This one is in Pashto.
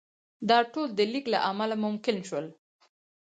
دا ټول د لیک له امله ممکن شول.